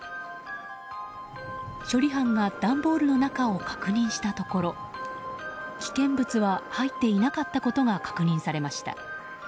処理班が段ボールの中を確認したところ危険物は入っていなかったことが確認されました。